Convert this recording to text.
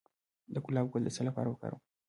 د ګلاب ګل د څه لپاره وکاروم؟